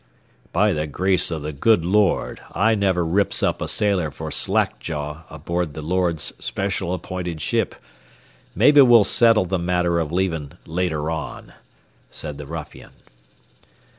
"By the grace of the good Lord, I never rips up a sailor for slack jaw aboard the Lord's special appointed ship. Maybe we'll settle the matter of leaving later on," said the ruffian.